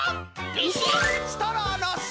ビシッ！